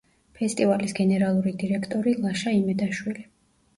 ფესტივალის გენერალური დირექტორი ლაშა იმედაშვილი.